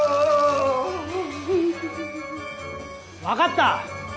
分かった。